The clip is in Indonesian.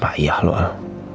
payah lu al